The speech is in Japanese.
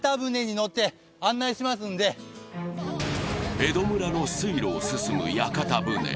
江戸村の水路を進む屋形船。